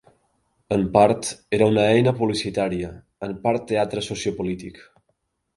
En part, era una eina publicitària, en part teatre sociopolític.